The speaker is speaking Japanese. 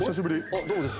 あっどうもです。